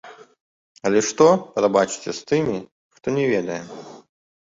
Але што, прабачце, з тымі, хто не ведае?